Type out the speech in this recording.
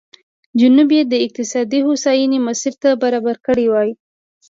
جنوب یې د اقتصادي هوساینې مسیر ته برابر کړی وای.